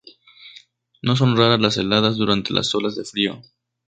No son raras las heladas durante las olas de frío.